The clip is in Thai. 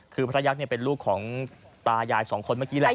คือพระยักษ์เป็นลูกของตายายสองคนเมื่อกี้แหละ